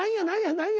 何や？